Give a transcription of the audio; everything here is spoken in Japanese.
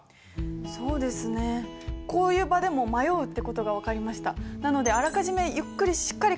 そうですねこういう場でも迷うってことが分かりました。